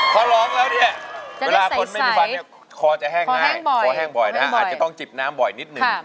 พอร้องแล้วเนี่ยเวลาคนไม่มีฟันเนี่ยคอจะแห้งง่ายคอแห้งบ่อยนะอาจจะต้องจิบน้ำบ่อยนิดนึง